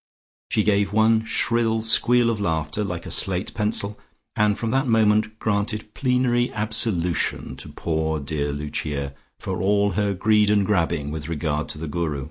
She gave one shrill squeal of laughter, like a slate pencil, and from that moment granted plenary absolution to poor dear Lucia for all her greed and grabbing with regard to the Guru.